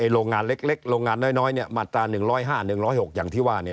โรงงานเล็กโรงงานน้อยมาตรา๑๐๕๑๐๖อย่างที่ว่า